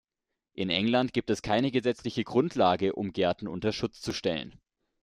In England gibt es keine gesetzliche Grundlage, um Gärten unter Schutz zu stellen.